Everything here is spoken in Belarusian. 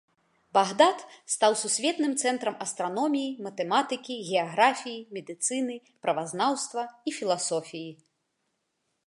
Багдад стаў сусветным цэнтрам астраноміі, матэматыкі, геаграфіі, медыцыны, правазнаўства і філасофіі.